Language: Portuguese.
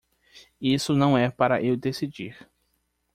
Isso não é para eu decidir.